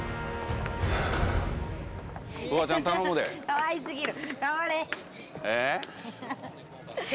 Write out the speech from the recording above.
かわい過ぎる！